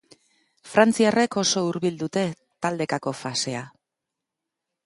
Frantziarrek oso hurbil dute taldekako fasea.